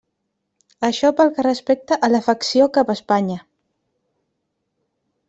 Això pel que respecta a l'afecció cap a Espanya.